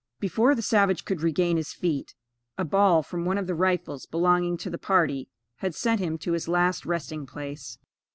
Before the savage could regain his feet, a ball from one of the rifles belonging to the party had sent him to his last resting place.